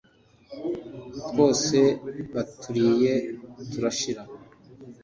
twose baturiye turashira.